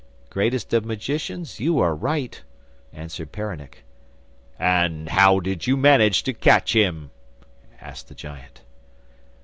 'Greatest of magicians, you are right,' answered Peronnik. 'And how did you manage to catch him?' asked the giant.